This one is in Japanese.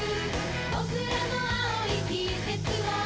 「僕らの青い季節を」